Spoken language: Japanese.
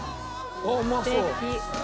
あっうまそう。